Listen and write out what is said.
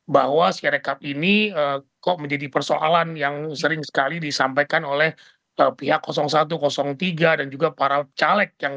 bahwa ske recap ini kok menjadi persoalan yang sering sekali disampaikan oleh pihak satu tiga dan juga para caleg